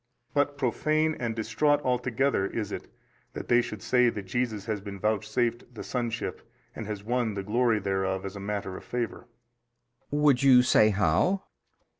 But profane and distraught altogether is it that they should say that JESUS has been vouchsafed the sonship and has won the glory thereof as a matter of favour. B. Would you say how?